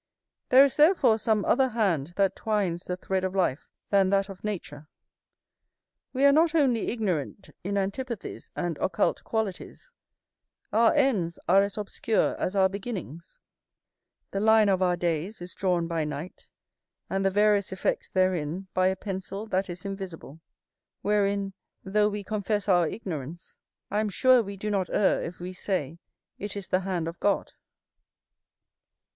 There is therefore some other hand that twines the thread of life than that of nature: we are not only ignorant in antipathies and occult qualities; our ends are as obscure as our beginnings; the line of our days is drawn by night, and the various effects therein by a pencil that is invisible; wherein, though we confess our ignorance, I am sure we do not err if we say, it is the hand of God.